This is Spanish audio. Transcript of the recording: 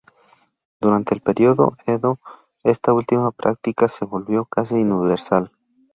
Durante el período Edo, esta última práctica se volvió casi universal.